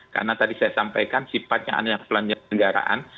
karena tadi saya sampaikan sifatnya anggota penyelenggaraan